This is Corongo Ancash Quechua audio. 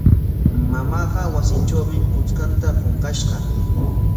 Mamaaqa wasitrawmi puchkanta qunqashqa.